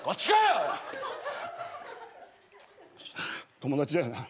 友達だよな？